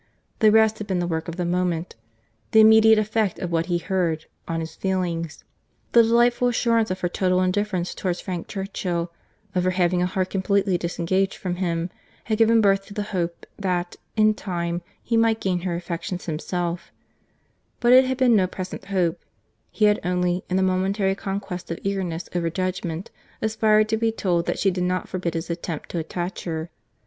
—The rest had been the work of the moment, the immediate effect of what he heard, on his feelings. The delightful assurance of her total indifference towards Frank Churchill, of her having a heart completely disengaged from him, had given birth to the hope, that, in time, he might gain her affection himself;—but it had been no present hope—he had only, in the momentary conquest of eagerness over judgment, aspired to be told that she did not forbid his attempt to attach her.